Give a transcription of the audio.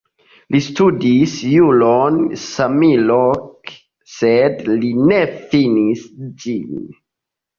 Li studis juron samloke, sed li ne finis ĝin.